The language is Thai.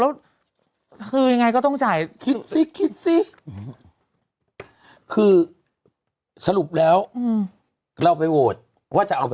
ก็คือให้ประชาชนใช้หนี้ให้ใช่มั้ย